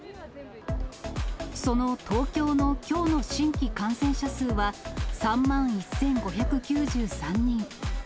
その東京のきょうの新規感染者数は３万１５９３人。